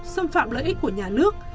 xâm phạm lợi ích của nhà nước